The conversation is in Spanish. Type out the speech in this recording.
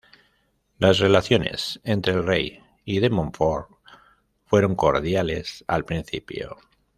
Las relaciones entre el rey y De Montfort fueron cordiales al principio.